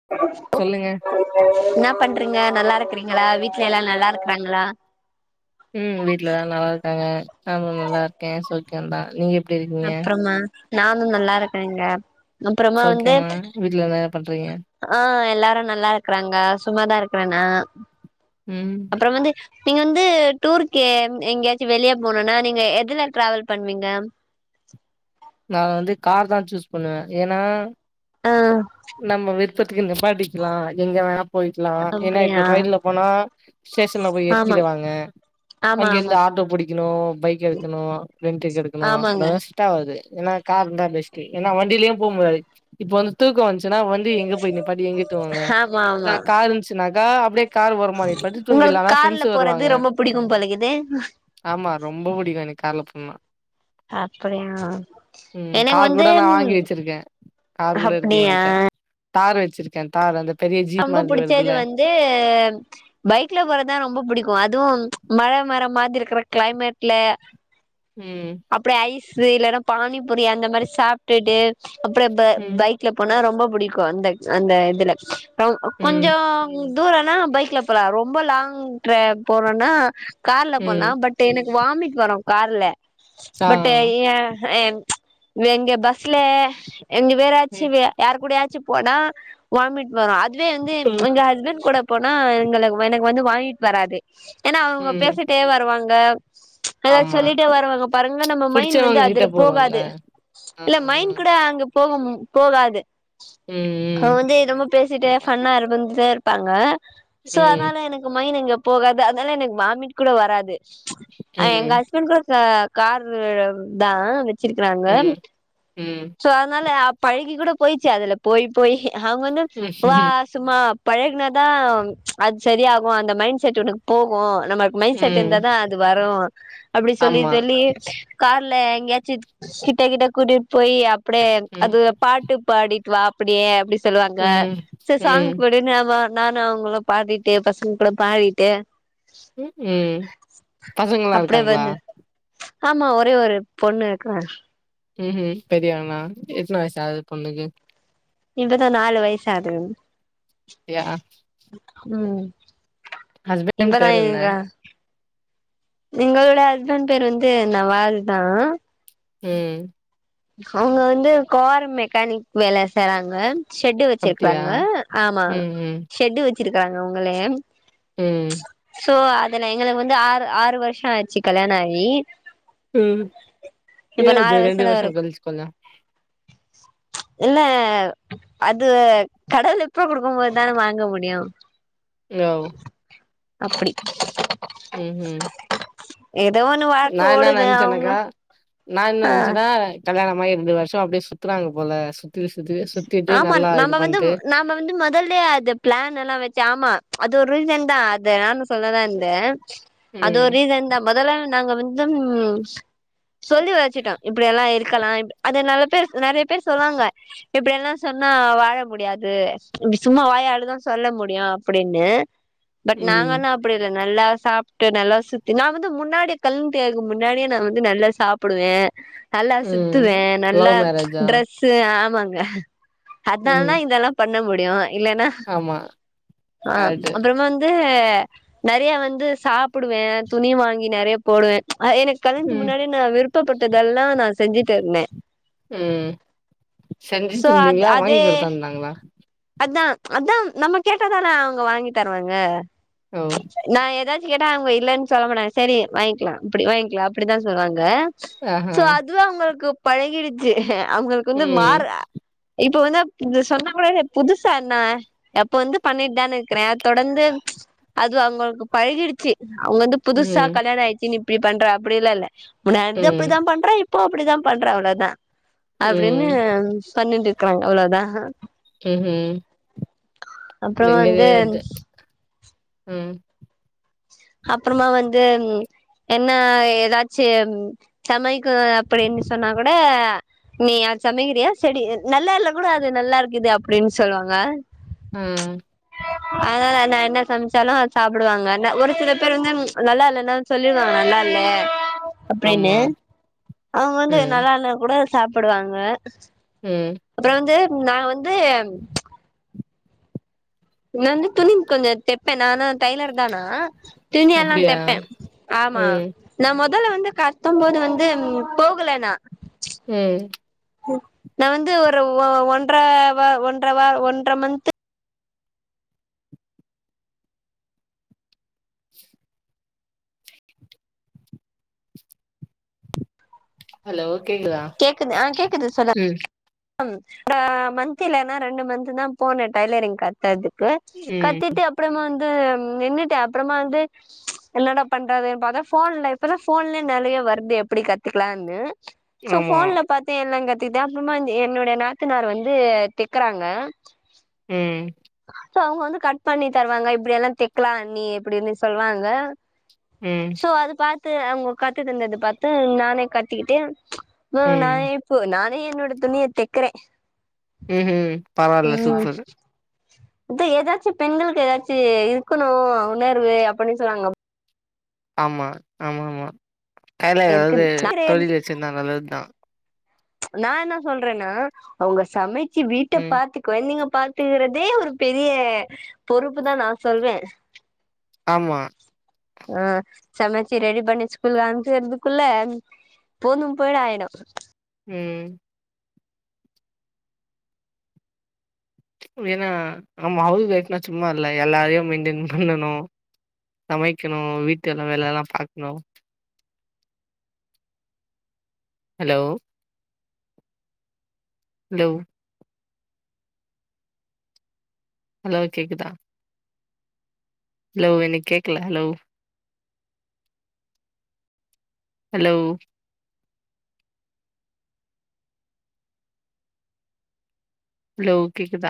[unintelligible] சொல்லுங்க என்ன பண்றீங்க நல்லா இருக்கறீங்களா வீட்ல எல்லா நல்லா இருக்கறாங்களா ம் வீட்ல எல்லா நல்லா இருக்காங்க நானு நல்லா இருக்கே சௌக்கியந்தா நீங்க எப் அப்புறமா நானு நல்லா இருக்கேங்க அப்புறமா வந்து சௌக்கியமா வீட்ல என்ன பண்றீங்க ஆ எல்லாரு நல்லா இருக்கறாங்க சும்மாதா இருக்கிறே நா ம் அப்ரோ வந்து நீங்க வந்து டூருக்கு எங்கயாச்சு வெளியே போனுன்னா நீங்க எதுல டிராவல் பண்ணுவீங்க நா வந்து கார் தா சூஸ் பண்ணுவே ஏன்னா ஆ நம்ம விருப்பத்துக்கு நிப்பாட்டிட் க்லா எங்க வேணா போய்க்கிலா ஏனா இப்ப அப்படியா டிரெய்ன்டுல போனா ஸ்டேஷன்ல போய் ஆமா ஏறுகிறுவாங்க ஆமா ஆமா அங்கிருந்து ஆட்டோ புடி க்கிணு பைக் எடுக்குணு டிரெயின் டிக் எடுக்குணு ஆமாங்க வேஸ்டாவுது ஏன்னா கார் இருந்தா பெஸ்ட் ஏன்னா வண்டிலியு போ முடாது இப்ப வந்து தூக்க வன்ச்சுனா வண்டிய் எங்க போய் நிப்பாட்டுவீங்க தூங்க ஆமா னா ஆமா காரு இன்ச்சுனாக்கா அப்டே கார் வருமாரி பட்த்து உங்களுக்கு தூங்கில்லா ஆனா கார்ல ஃப்ரெண்ட்ஸ் போறது வருவாங்க ரொம்ப புடிக்கும் போலக்குது ஆமா ரொம்ப புடிக்கு எனக்கு கார்ல போனா அப்படியு ம் கார் கூட நா வாங்கி வச்சிருக்கே கார் கூட இருக்கு அப்படியா எங்கிட்ட தார் வச்சிருக்கே தாரு அந்த பெரிய ஜீப் ரொம்ப மாதிரி புடிச்ச இது வருதுல வந்து பைக்ல போறதா ரொம்ப புடிக்கு அதுவு மழ மர மாதிரிருக்கிற கிளைமேட்ல ம் அப்டே ஐஸு இல்லனா பானிபுரி அந்த மாரி சாப்ட்டுட்டு அப்புற இப்ப ம் பைக் க்குல போனா ரொம்ப புடிக்கு அந்தக் அந்த இதுல ம் கொஞ்சோ ம் தூரனோ பைக்ல போலா ரொம்ப லாங் டிரே போரோனா கார்ல போலா ம் பட் டு எனக்கு வாமிட் வரு கார்ல ஆ பட் ஏ ஏன் வே எங்க பஸ்லே எங்க ம் வேறாச்சுவே யாரு கூடயாச்சு போனா வாமிட் வரு அதுவே வந்து ம் எங்க ஹஸ்பண்ட் கூட போனா எங்கள எனக்கு வந்து வாமிட் வராது ஏன்னா அவுங்க ம் பேசிட்டே வருவாங்க ஆமா ட்டே வருவாங்க பாருங்க நம்ம மைண்ட் வந்து புடிச்சவங்க கிட்ட அதுல போறோல்ல போகாது ஆ இல்ல மைண்ட் கூட அங்கப் போகும் போகாது ம் அவ ம் வந்து என்னமோ பேசிட்டு இந்த மாரி ஃபண்ணா இருப்பந்து ப்பாங்க சோ ம் அதனால எனக்கு மைன் அங்க போகாது அதனால எனக்கு வாமிட் கூட வராது அ எங்க ம் ஹஸ்பண்ட்டுக்கு கா காரு தா வச்சிருக்கிறாங்க ம் ம் சோ அதனால பழகி கூட போயிச்சு அதுல போய் போய் அவுங்கனு வா சும்மா பழகினாதா அது செரியாகு அந்த மைண்ட் செட் உனக்கு போகு நம்ம மைன்செட் ம் இருந்தாதா அது வரு அப்டி சொல்லி ஆமா சொல்லி கார்ல எங்கேயாச்சு கிட்ட கிட்ட கூட்டிட் போய் அப்டியே ம் அது பாட்டு பாடி வா அப்படியே அப்டி சொல்லுவாங்க ம் சேர் சாங் ம் போட் பின்னேவா நானு அவுங்களு பாடிட்டே பசங்கூட பாடிட்டு ம் பசங்களா அப்டியே இருக்காங்ளா வந்து ஆமா ஒரே ஒரு பொண்ணு இருக்குறா ம் ம் பெரியவொண்ணா எத்தன வயசாவுது பொண்ணுக்கு இன்றுதா நாலு வயசாவ்து அப்டியா ம் ஹஸ்பண்ட் இப்பதா பேர் என்ன எங்க எங்களோட ஹஸ்பண்ட் பேர் வந்து நவால் தா ம் அவுங்க வந்து கார் மெக்கானிக் வேல செய்றாங்க ஷெட்டு அப்டியா வச்சிர்கிறாங்க ஆமா ம் ம் ஷெட்டு வச்சிர்கிறாங்க அவுங்களே ம் சோ அதுன எங்களுக்கு வந்து ஆறு ஆறு வர்ஷோ ஆயிச்சு கல்யாணாயி ம் ஏ அது ரெண்டு வயசுல இரு வருஷ கழ்ச்சு கொந்த இல்ல அது கடவுள் எப்ப குடுக்கு போது தானே வாங்க முடியு யோவ் அப்டி ம் ம் ஏதோ ஒன்னு வ நா என்ன நெனைச்சேனாக்கா நா என்ன ஆ நெனச்சேன்னா கல்யாணமாகி இரண்டு வருஷோ அப்டியே சுத்துறாங்க போல சு த்துவே சுத்துவே சுத்திட்டு ஆமா நல்லா இது வந்து பண்ட்டு நம்ம நாம வந்து முதல்லே அது பிளான் எல்லா வச்சு ஆமா அது ஒரு ரீசன் தா அது நானு சொல்லலா இருந்தே அது ஒரு ம் ரீசன் தா முதல்ல நாங்க வந்து ம் சொல்லி வச்சிட்டோ இப்படி எல்லா இருக்கலா இப் அது நல்ல பேர் நெறையா பேர் சொல்வாங்க இப்படியெல்லா சொன்னா வாழ முடியாது இப்டி சும்மா வாயாலதா சொல்ல முடியு அப்பிடின்னு பட் ம் நாங்கனாப் அப்பிடி இல்ல நல்லா சாப்பிட்டு நல்லா சுத்தி நா வந்து முன்னாடியே கல்ண்தேக்கு முன்னாடியே நா வந்து நல்லா சாப் ப்பிடுவே நல்லா ம் சுத்துவே நல்லா லவ் மேரேஜா டிரெஸ் ஸு ஆமாங்க அதுனால ம் தா இதெல்லா பண்ண முடியு இல்லேன்னா ஆமா ஆ கரெக்ட்டு அப்பறமா வந் து நெறையா வந்து சாப்பிடுவே துணி வாங்கி நெறைய போடுவே எனக் கல்யாணத்துக்கு ம் முன்னாடி நா விருப்பப்பட்டதெல்லா நா செஞ்சுட்டு இருந்தே ம் சோ செஞ்சுட்டு அது இருந்தீங்களா வாங்கி அதே கொடுத்தா இருந்தாங்களா அதா அதா நம்ம கேட்டா தானே அவுங்க வாங்கி தருவாங்க ஓ நா ஏதாச்சு கேட்டா அவுங்க இல்லேன்னு சொல்ல மாட்டாங்க சேரி வாங்கிக்கலா அப்டி வாங்கிக்கலா அப்படிதா சொல்லுவாங்க ஆஹ துவே அவுங்களுக்கு பழகிடுச்சு அவுங்களுக்கு வந்து ம் மாற ஆ இப்ப வந்து இத சொன்னா கூட புதுசா என்ன எப்ப வந்து பண்ணிட்டு தான இருக்குறே தொடர்ந்து அது அவுங்களுக்கு பழகிடுச்சு அவுங்க வந்து புதுசா கல்யாண ஆயிச்சுன்னு இப்டி பண்றா அப்பிடிலா இல்ல முன்னாந்து அப்பிடிதா பண்றா இப்போ அப்படிதா பண்றா அவ்ளோதா அப்டின்னு பண்ணின்டு இருக்குறாங்க அவ்ளோதா ம் ம் அப்புறமா நீங்க யே வந்து இத்து ம் அப்பறமா வந்து ம் என்ன ஏதாச்சு சமைக்கு அப்டின்னு சொன்னா கூட நீ யா சமைக்கிறியா செடி நல்லா இல்ல கூட அது நல்லா இருக்குது அப்டின்னு சொல்லுவாங்க ம் அதனால நா என்ன சமைச்சாலு அது சாப்பிடுவாங்க நா ஒரு சில பேர் வந்து நல்லா இல்லன்னா சொல்லிருவாங்க நல்லா இல்ல ஆமா. அப்பிடின்னு அவுங்க வந்து ம். நல்லா இல்லேனா கூட சாப்பிடுவாங்க ம் அப்புற வந்து நா வந்து நா வந்து துணி கொஞ்ச தெப்பே நானு டெய்லர் தா நா துணி எல்லா அப்டியா? தப்பே ஆமா ம். நா மொதல்ல வந்து கத்தம் போது வந்து போகல நா ம் நா வந்து ஒரு ஒ ஒன்ற வ ஒன்ற வ ஒன்ற மந்த்து ஹலோ கேக்குதா கேக்குது ஆ கேக்குது சொல்லு ம். ம் அ மந்தத்லன்னா ரெண்டு மந்த் தா போனே டைலரிங் கத்துறதுக்கு ம். கத்திட்டு அப்புறமா வந்து நின்னுட்டே அப்புறமா வந்து என்னடா பண்றதுன்னு பாத்தா போன்ல இப்பதா போன்லயே நெறைய வருது எப்டி கத்துக்கலானு சோ ஆமா. போபோன்ல பாத்து என்னனு கத்தகுட்டே அப்புறமா என்னுடைய நாத்தனார் வந்து தெக்குறாங்க ம் சோ அவுங்க வந்து கட் பண்ணி தருவாங்க இப்டி எல்லா தைக்கலா அண்ணி எப்டின்னு சொல்லுவாங்க ம். சோ அது பாத்து அவுங்க கத்து தந்தது பாத்து நானே கத்துக்கிட்டே உ ம். நானே இப்போ நானே என்னோட துணிய தெக்கர ம் ஹும் பரவால்ல சூப்பரு இ ஏதாச்சு பெண்களுக்கு ஏதாச்சு இருக்கணு உணர்வு அப்டின்னு சொல்வாங்க ஆமா ஆமாமா கைல இருக்கு ஏதாவது தொழில் வச்சிருந்தா நல்லது தா நா என்ன சொல்றேன்னா அவுங்க சமைச்சு வீட்ட ம். பாத்துக்க கொழந்தைங்க பாத்துக்கிறதே ஒரு பெரிய பொறுப்பு தா நா சொல்வே ஆமா அ சமச்சி ரெடி பண்ணி ஸ்கூல் அனுப்சறதுகுல்ல போதும் போய்டாயிடு ம் ஏன்னா நம்ம அவர் வேனா சும்மா இல்ல எல்லாரையு மெயின்டென் பண்ணனு சமைக்கணு வீட்டு எல்லா வேலலா பாக்கணு ஹலோ ஹலோ ஹலோ கேக்குதா ஹலோ எனக்கு கேக்கல ஹலோ ஹலோ ஹலோ கேக்குதா